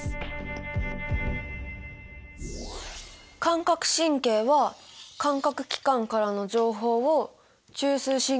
感覚神経は感覚器官からの情報を中枢神経系に伝える？